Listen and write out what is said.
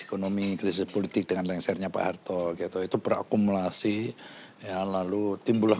ekonomi krisis politik dengan lengsernya pak harto gitu itu berakumulasi ya lalu timbulah